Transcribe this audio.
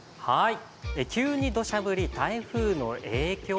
急にどしゃ降り、台風の影響？